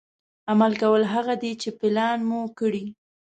عمل کول هغه دي چې پلان مو کړي.